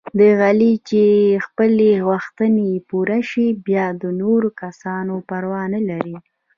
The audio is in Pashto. د علي چې خپلې غوښتنې پوره شي، بیا د نورو کسانو پروا نه لري.